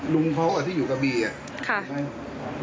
ลุงพาวร์ทที่อยู่กับบีรู้ไหม